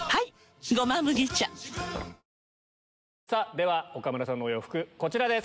では岡村さんのお洋服こちらです！